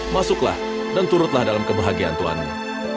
masuklah dan turutlah dalam kebahagiaan tuhannya